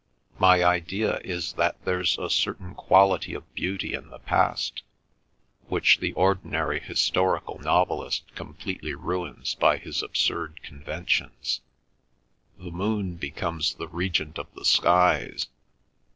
"My idea is that there's a certain quality of beauty in the past, which the ordinary historical novelist completely ruins by his absurd conventions. The moon becomes the Regent of the Skies.